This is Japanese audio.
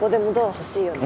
欲しいよね。